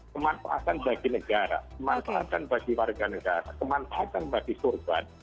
kemanfaatan bagi negara kemanfaatan bagi warga negara kemanfaatan bagi korban